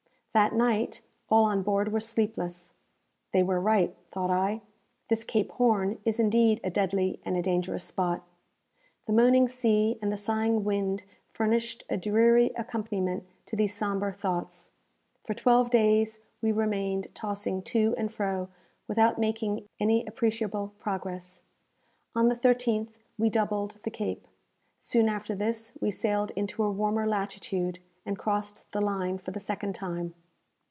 That night, all on board were sleepless. "They were right," thought I. "This Cape Horn is indeed a deadly and a dangerous spot!" The moaning sea and the sighing wind furnished a dreary accompaniment to these sombre thoughts. For twelve days we remained tossing to and fro without making any appreciable progress. On the thirteenth, we doubled the Cape. Soon after this, we sailed into a warmer latitude, and crossed the line for the second time.